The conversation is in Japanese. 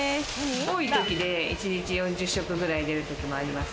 多いときで一日４０食くらい出るときもあります。